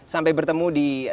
sampai bertemu di the polis